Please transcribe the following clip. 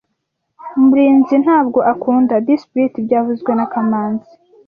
Murinzi ntabwo akunda this bit byavuzwe na kamanzi